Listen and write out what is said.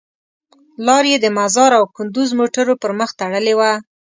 لار یې د مزار او کندوز موټرو پر مخ تړلې وه.